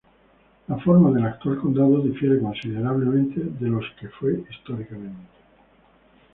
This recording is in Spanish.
La forma del actual condado difiere considerablemente de lo que fue históricamente.